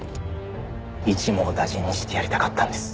一網打尽にしてやりたかったんです。